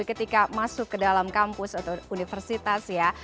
jadi ketika masuk ke dalam kampus atau universitas ya